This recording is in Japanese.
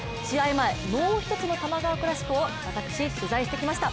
前、もう一つの多摩川クラシコを私、取材してきました。